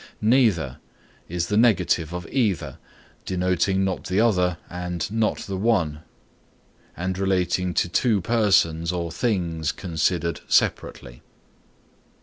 Neither is the negative of either, denoting not the other, and not the one, and relating to two persons or things considered separately.